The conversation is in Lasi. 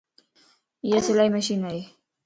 ايا سلائي مشين ائي